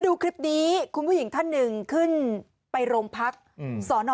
ดูคลิปนี้คุณผู้หญิงท่านหนึ่งขึ้นไปโรงพักสอนอ